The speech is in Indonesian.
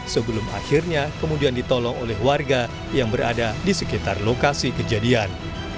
sebelum akhirnya kemudian ditolong oleh warga yang berada di sekitar lokasi kejadian